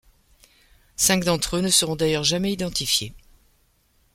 Cinq d’entre eux ne seront d’ailleurs jamais identifiés.